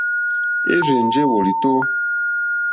Érzènjé wòlìtó.